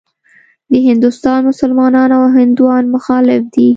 د هندوستان مسلمانان او هندوان مخالف دي.